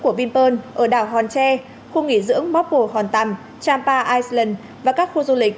của vinpearl ở đảo hòn tre khu nghỉ dưỡng móc bồ hòn tằm champa island và các khu du lịch